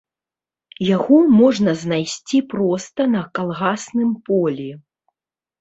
Яго можна знайсці проста на калгасным полі.